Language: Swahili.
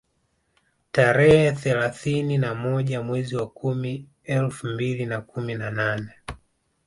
Tarehe thelathini na moja mwezi wa kumi elfu mbili na kumi na nane